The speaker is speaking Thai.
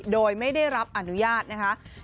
โดยไม่ได้รับอนุญาตนะคะ